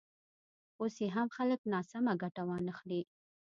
اوس یې هم خلک ناسمه ګټه وانخلي.